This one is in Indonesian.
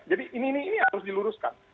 jadi ini harus diluruskan